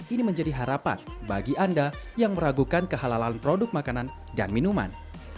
ini menjadi harapan bagi anda yang meragukan kehalalan produk makanan dan minuman